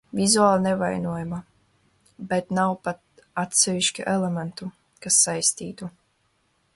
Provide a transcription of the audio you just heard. Vizuāli nevainojama, bet nav pat atsevišķu elementu, kas saistītu.